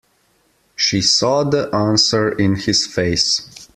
She saw the answer in his face.